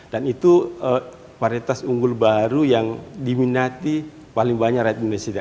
dan itu varietas unggul baru yang diminati paling banyak rakyat indonesia